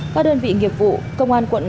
các đơn vị nghiệp vụ công an quận